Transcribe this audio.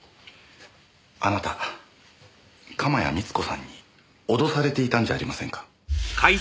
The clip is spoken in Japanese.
あなた鎌谷充子さんに脅されていたんじゃありませんか？